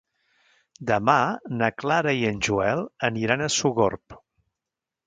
Demà na Clara i en Joel aniran a Sogorb.